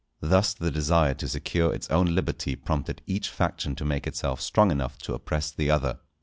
Thus the desire to secure its own liberty prompted each faction to make itself strong enough to oppress the other.